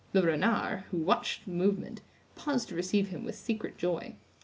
Le Renard, who watched the movement, paused to receive him with secret joy.